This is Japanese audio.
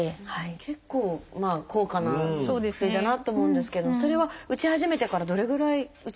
結構高価な薬だなと思うんですけれどもそれは打ち始めてからどれぐらい打ち続けるんですか？